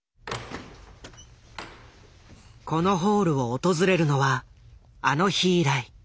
このホールを訪れるのはあの日以来。